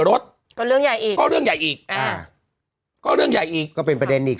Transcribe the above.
รถก็เรื่องใหญ่อีกก็เรื่องใหญ่อีกเกิดเป็นประเด็นนิค